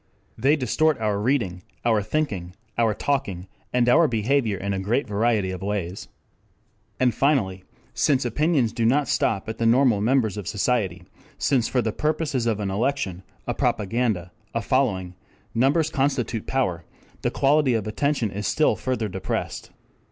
They distort our reading, our thinking, our talking and our behavior in a great variety of ways. And finally since opinions do not stop at the normal members of society, since for the purposes of an election, a propaganda, a following, numbers constitute power, the quality of attention is still further depressed.